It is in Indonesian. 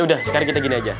udah sekarang kita gini aja